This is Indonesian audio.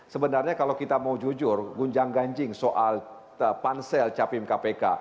sebenarnya kalau kita mau jujur gunjang ganjing soal pansel capim kpk